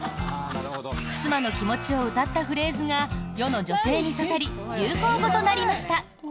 妻の気持ちをうたったフレーズが世の女性に刺さり流行語となりました。